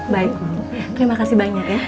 baik terima kasih banyak ya